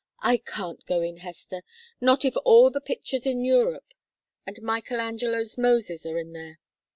"I can't go in, Hester, not if all the pictures in Europe and Michelangelo's Moses are in there.